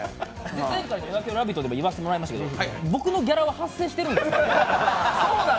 前回の「ラヴィット！」でも言わせてもらいましたけど僕のギャラは発生しているんですか？